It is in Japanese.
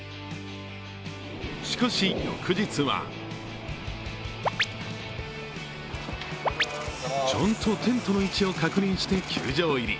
しかし翌日は、ちゃんとテントの位置を確認して球場入り。